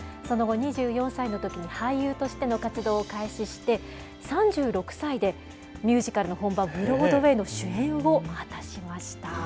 その後、２４歳のときに俳優としての活動を開始して、３６歳で、ミュージカルの本場、ブロードウェイの主演を果たしました。